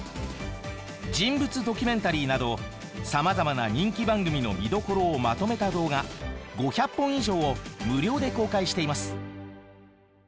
人物ドキュメンタリーなどさまざまな人気番組の見どころをまとめた動画５００本以上を無料で公開しています。